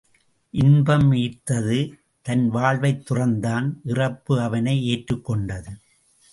இன்பம் ஈர்த்தது, தன் வாழ்வைத் துறந்தான், இறப்பு அவனை ஏற்றுக் கொண்டது.